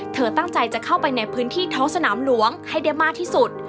เธอตั้งใจจะเข้าไปในพื้นที่ท้องสนามหลวงให้ได้มากที่สุด